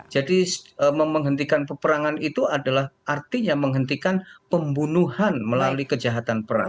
jadi menghentikan peperangan itu adalah artinya menghentikan pembunuhan melalui kejahatan perang